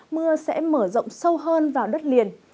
mưa sẽ mở rộng sâu hơn vào đất liền